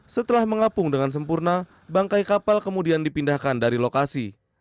setelah mengapung dengan sempurna bangkai kapal kemudian dipindahkan dari lokasi